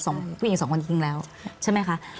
สองผู้หญิงสองคนนี้ทิ้งแล้วใช่ไหมคะใช่